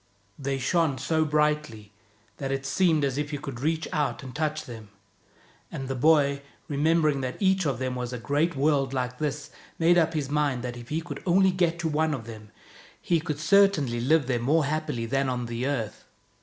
They shone so 64 THE BOY WHO WENT OUT OF THE WORLD brightly that it seemed as if you' could reach out and touch them, and the boy, remembering that each of them was a great world like this, made up his mind that if he could only get to one of them, he could certainly live there more happily than on the earth.